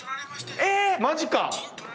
マジか。